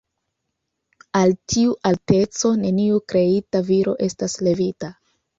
Al tiu alteco neniu kreita viro estas levita.